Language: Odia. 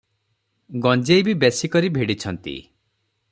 ଗଞ୍ଜେଇ ବି ବେଶି କରି ଭିଡ଼ିଛନ୍ତି ।